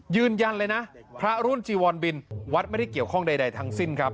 ยืนยันเลยนะพระรุ่นจีวอนบินวัดไม่ได้เกี่ยวข้องใดทั้งสิ้นครับ